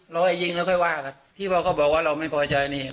ไอ้ยิงแล้วค่อยว่ากันที่ว่าเขาบอกว่าเราไม่พอใจนี่